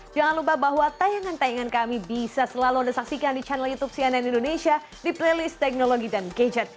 jangan lupa bahwa tayangan tayangan kami bisa selalu anda saksikan di channel youtube cnn indonesia di playlist teknologi dan gadget